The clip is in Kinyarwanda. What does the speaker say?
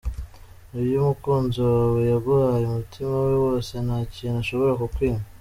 Iyo umukunzi wawe yaguhaye umutima we wose nta kintu ashobora kukwima.